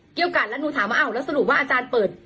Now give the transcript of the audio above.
กัดแล้วหนูถามว่าอ้าวแล้วสรุปว่าอาจารย์เปิด